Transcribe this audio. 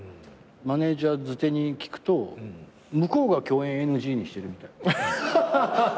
マネジャーづてに聞くと向こうが共演ＮＧにしてるみたい。